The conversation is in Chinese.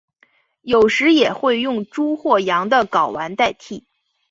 有时也会用猪或羊的睾丸代替。